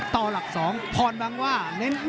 ต่อหลัก๒พรบังว่า